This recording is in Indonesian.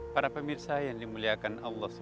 para pemirsa yang dimuliakan allah swt